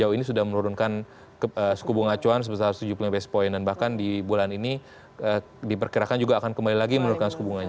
sejauh ini sudah menurunkan skubung acuan sebesar satu ratus tujuh puluh lima base point dan bahkan di bulan ini diperkirakan juga akan kembali lagi menurunkan skubungan